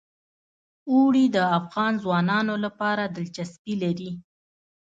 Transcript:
اوړي د افغان ځوانانو لپاره دلچسپي لري.